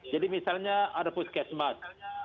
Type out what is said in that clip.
jadi misalnya ada puskesmas